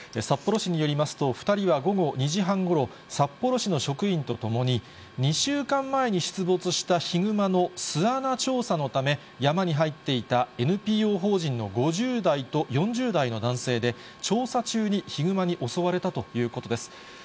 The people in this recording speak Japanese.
札幌市によりますと、２人は午後２時半ごろ、札幌市の職員と共に、２週間前に出没したヒグマの巣穴調査のため、山に入っていた、ＮＰＯ法人の５０代と４０代の男性で、調査中にヒグマに襲われたということです。